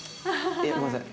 ごめんなさい。